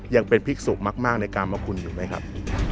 ยังเป็นภิกษุมากในกามคุณอยู่ไหมครับ